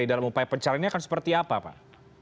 supaya pencariannya akan seperti apa pak